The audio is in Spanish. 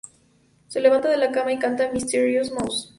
Se levanta de la cama y canta "Mysterious Mose".